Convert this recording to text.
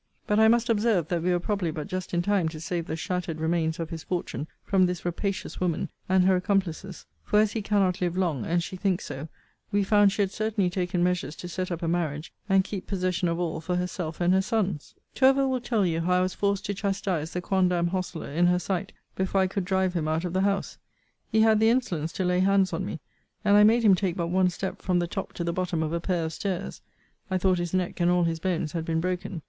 But I must observe that we were probably but just in time to save the shattered remains of his fortune from this rapacious woman, and her accomplices: for, as he cannot live long, and she thinks so, we found she had certainly taken measures to set up a marriage, and keep possession of all for herself and her sons. Tourville will tell you how I was forced to chastise the quondam hostler in her sight, before I could drive him out of the house. He had the insolence to lay hands on me: and I made him take but one step from the top to the bottom of a pair of stairs. I thought his neck and all his bones had been broken.